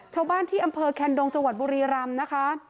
ชาวบ้านที่อำเภอแคนดงจังหวัดบุรีรำนะคะ